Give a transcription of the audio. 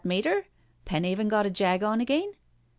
Mater? Penhaven got a jag on again?"